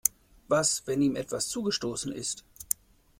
Was, wenn ihm etwas zugestoßen ist?